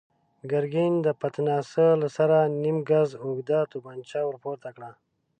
ګرګين د پتناسه له سره نيم ګز اوږده توپانچه ور پورته کړه.